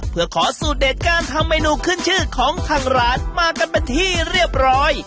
เพื่อขอสูตรเด็ดการทำเมนูขึ้นชื่อของทางร้านมากันเป็นที่เรียบร้อย